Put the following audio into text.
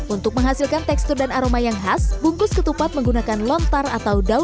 untuk menghasilkan tekstur dan aroma yang khas bungkus ketupat menggunakan lontar atau daun